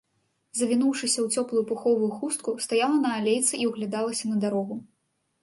Завінуўшыся ў цёплую пуховую хустку, стаяла на алейцы і ўглядалася на дарогу.